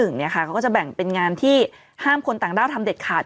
เขาก็จะแบ่งเป็นงานที่ห้ามคนต่างด้าวทำเด็ดขาด